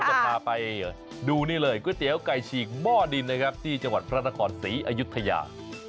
จะพาไปดูนี่เลยก๋วยเตี๋ยวไก่ฉีกหม้อดินนะครับที่จังหวัดพระนครศรีอยุธยา